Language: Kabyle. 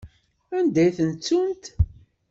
Anda i tent-ttunt?